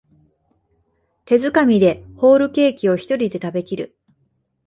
手づかみでホールケーキをひとりで食べきる